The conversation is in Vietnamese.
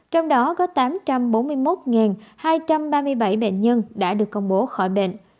trong đó có tám trăm bốn mươi một hai trăm ba mươi bảy bệnh